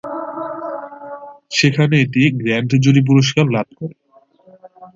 সেখানে এটি grand jury পুরস্কার লাভ করে।